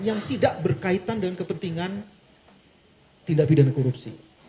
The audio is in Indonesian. yang tidak berkaitan dengan kepentingan tindak pidana korupsi